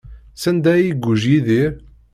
Sanda ay iguǧǧ Yidir?